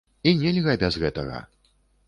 І нельга без гэтага!